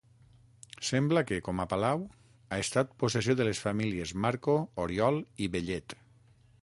Sembla que, com a palau, ha estat possessió de les famílies Marco, Oriol i Bellet.